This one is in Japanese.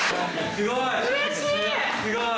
すごい。